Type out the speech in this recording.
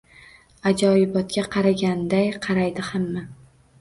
Ajoyibotga qaraganday qaraydi hamma.